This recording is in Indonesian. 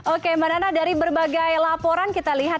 oke mbak nana dari berbagai laporan kita lihat